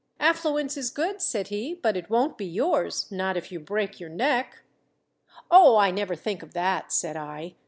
"Affluence is good," said he; "but it won't be yours not if you break your neck." "Oh, I never think of that," said I.